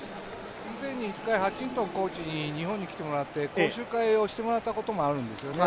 以前にハティントンコーチに日本に来てもらって講習会をしてもらったこともあるんですね。